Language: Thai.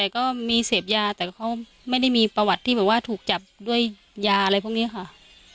เขาไม่ได้มีประวัติว่าถูกจับด้วยยาอะไรพวกนี้ค่ะ